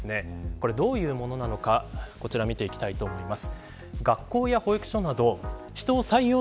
これ、どういうものなのか見ていきたいと思います。